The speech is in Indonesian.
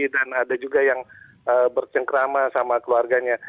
dan ada juga yang bercengkrama sama keluarganya